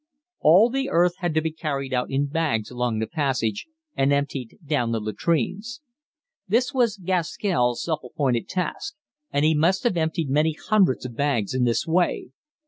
All the earth had to be carried in bags along the passage and emptied down the latrines. This was Gaskell's self appointed task, and he must have emptied many hundreds of bags in this way.